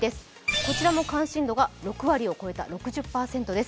こちらも関心度が６割を超えた６０％です。